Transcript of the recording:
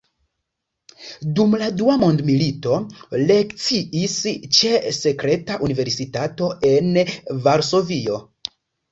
Dum la dua mondmilito lekciis ĉe sekreta universitato en Varsovio.